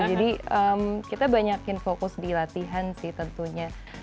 jadi kita banyakin fokus di latihan sih tentunya